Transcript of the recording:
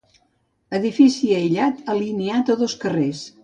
Edifici aïllat, alineat a dos carrers.